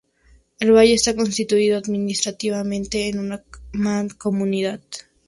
El valle está constituido administrativamente en una mancomunidad.